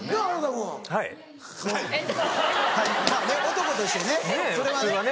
男としてねそれはね。